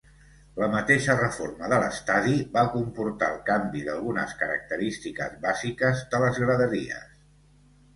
La mateixa reforma de l'estadi va comportar el canvi d'algunes característiques bàsiques de les graderies.